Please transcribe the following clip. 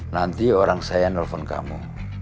nanti orang saya akan telepon kamu